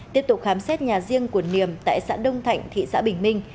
tiếp tục khám xét nhà riêng của niềm tại xã đông thạnh thị xã bình minh